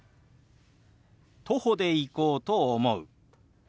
徒歩で行こうと思う。